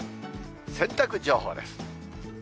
洗濯情報です。